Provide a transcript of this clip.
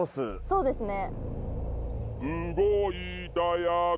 そうですね